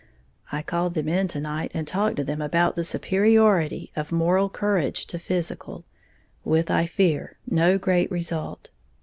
I called them in to night and talked to them about the superiority of moral courage to physical, with, I fear, no great result.